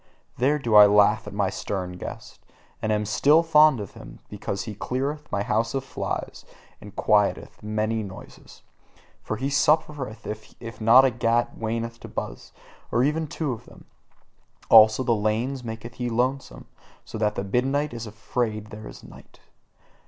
There do I laugh at my stern guest, and am still fond of him; because he cleareth my house of flies, and quieteth many little noises. For he suffereth it not if a gnat wanteth to buzz, or even two of them; also the lanes maketh he lonesome, so that the moonlight is afraid there at night.